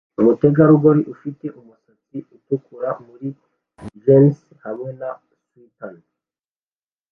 Umutegarugori ufite umusatsi utukura muri jeans hamwe na swater